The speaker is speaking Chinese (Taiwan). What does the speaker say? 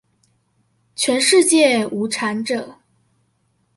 全世界無產者